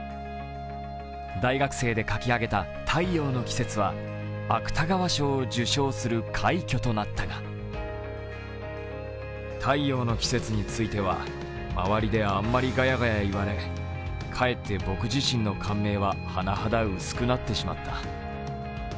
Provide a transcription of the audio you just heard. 大学生で書き上げた「太陽の季節」は芥川賞を受賞する快挙となったが「太陽の季節」については周りであんまりがやがや言われ、かえって、僕自身の感銘は甚だ薄くなってしまった。